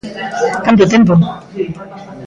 Canto tempo.